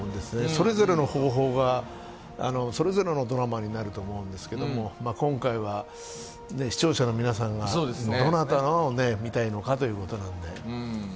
それぞれの方法が、それぞれのドラマになると思うんですけど今回は視聴者の皆さんがどなたを見たいのかということなので。